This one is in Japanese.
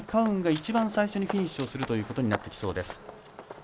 雲が一番最初にフィニッシュをするということになってきそうです。